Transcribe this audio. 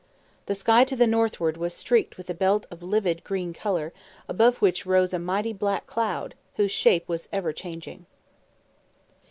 The sky to the northward was streaked with a belt of livid green colour, above which rose a mighty black cloud, whose shape was ever changing.